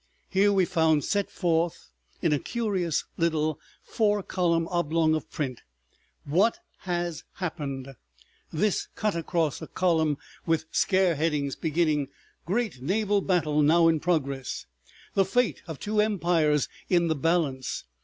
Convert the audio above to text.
Here we found set forth in a curious little four column oblong of print, WHAT HAS HAPPENED. This cut across a column with scare headings beginning, "Great Naval Battle Now in Progress. The Fate of Two Empires in the Balance.